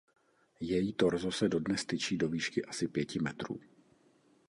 Její torzo se dodnes tyčí do výšky asi pěti metrů.